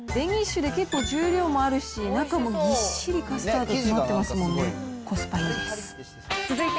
デニッシュで結構重量もあるし、中もぎっしりカスタード詰まってますもんね。